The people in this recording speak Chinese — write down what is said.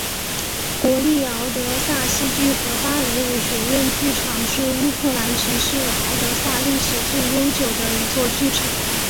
国立敖德萨戏剧和芭蕾舞学院剧场是乌克兰城市敖德萨历史最悠久的一座剧场。